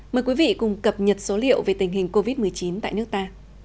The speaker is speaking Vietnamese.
mời quý vị cùng cập nhật số liệu về tình hình covid một mươi chín tại nước ta